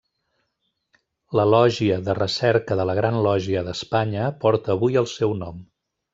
La lògia de recerca de la Gran Lògia d'Espanya porta avui el seu nom.